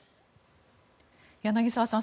柳澤さん